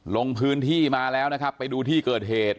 ลงพื้นที่มาแล้วนะครับไปดูที่เกิดเหตุ